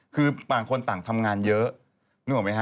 คือต่างคนต่างทำงานเยอะนึกออกไหมฮะ